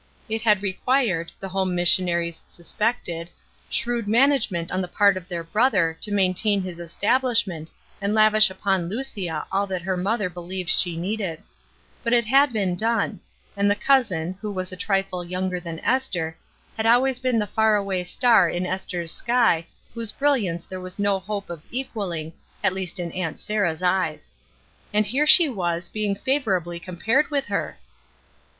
It had required, the home missionaries suspected, shrewd management on the part of their brother to maintain his establishment and lavish upon Lucia all that her mother beheved she needed; but it had been done, and the cousin, who was a trifle younger than Esther, had always been the HOUSEHOLD QUESTIONINGS 299 far away star in Esther's sky whose brilliance there was no hope of equalling, at least in Aunt Sarah ^s eyes. And here she was, being favorably compared with her